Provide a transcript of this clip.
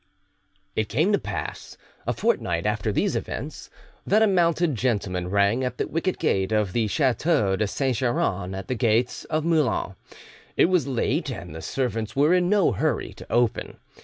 It came to pass, a fortnight after these events, that a mounted gentleman rang at the wicket gate of the chateau de Saint Geran, at the gates of Moulins. It was late, and the servants were in no hurry to open.